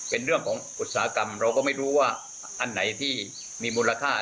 เป็นเรื่องของอุตสาหกรรมเราก็ไม่รู้ว่าอันไหนที่มีมูลค่า